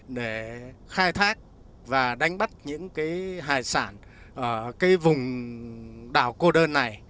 để khai thác và đánh bắt những cái hải sản ở cái vùng đảo cô đơn này